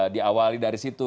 diawali dari situ